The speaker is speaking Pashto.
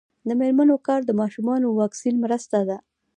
د میرمنو کار د ماشومانو واکسین مرسته ده.